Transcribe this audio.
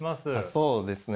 そうですね。